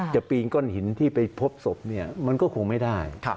ปีนก้อนหินที่ไปพบศพเนี่ยมันก็คงไม่ได้